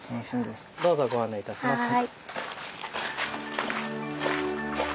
どうぞご案内いたします。